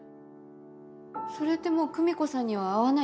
それってもう久美子さんには会わないってことですか？